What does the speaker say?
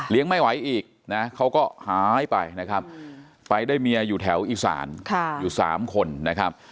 ไม่ไหวอีกนะเขาก็หายไปนะครับไปได้เมียอยู่แถวอีสานอยู่๓คนนะครับ